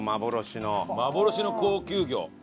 幻の高級魚。